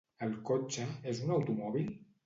El cotxe és un automòbil?